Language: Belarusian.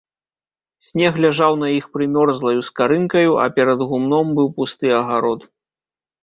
Снег ляжаў на іх прымёрзлаю скарынкаю, а перад гумном быў пусты агарод.